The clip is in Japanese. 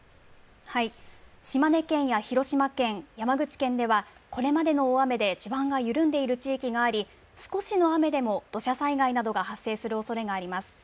島根県や広島県、山口県では、これまでの大雨で地盤が緩んでいる地域があり、少しの雨でも土砂災害などが発生するおそれがあります。